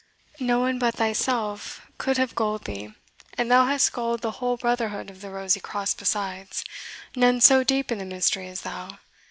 No one but thyself could have gulled thee; and thou hast gulled the whole brotherhood of the Rosy Cross besides none so deep in the mystery as thou.